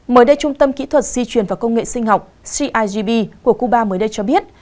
mới đây trung tâm kỹ thuật di truyền và công nghệ sinh học cigb của cuba mới đây cho biết